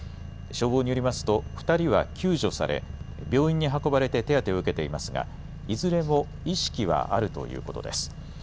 消防によりますと２人は救助され病院に運ばれて手当てを受けていますがいずれも意識はあるということです。